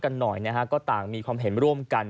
กันหน่อยนะฮะก็ต่างมีความเห็นร่วมกัน